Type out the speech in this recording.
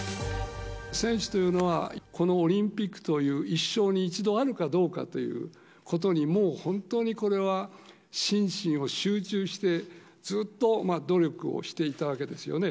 選手というのは、このオリンピックという一生に一度あるかどうかということに、もう本当にこれは心身を集中して、ずっと努力をしていたわけですよね。